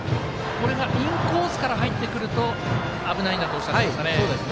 これがインコースから入ってくると危ないなとおっしゃってましたね。